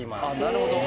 なるほど。